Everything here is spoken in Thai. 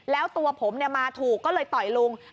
แล้วตัวผมมาถูกก็เลยต่อยลุง